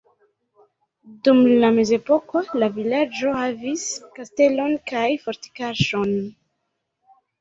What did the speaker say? Dum la mezepoko la vilaĝo havis kastelon kaj fortikaĵon.